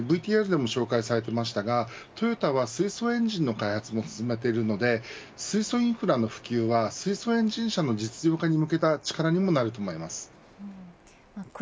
さらにＶＴＲでも紹介されていましたがトヨタは水素エンジンの開発も進めているので水素インフラの普及は水素エンジン車の実用化に向けた力にもなると思います。